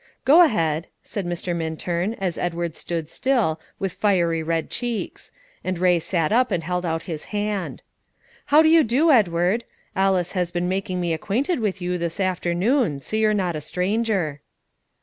"Go ahead," said Mr. Minturn, as Edward stood still, with very red cheeks; and Ray sat up and held out his hand. "How do you do, Edward? Alice has been making me acquainted with you this afternoon, so you're not a stranger."